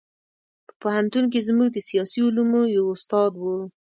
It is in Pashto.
په پوهنتون کې زموږ د سیاسي علومو یو استاد و.